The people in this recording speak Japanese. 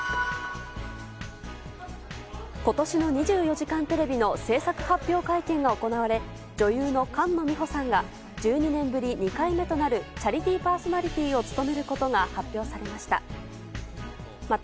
今年の「２４時間テレビ」の制作発表会見が行われ女優の菅野美穂さんが１２年ぶり２回目となるチャリティーパーソナリティーを務めることが発表されました。